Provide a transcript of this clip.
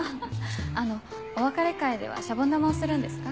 あのお別れ会ではシャボン玉をするんですか？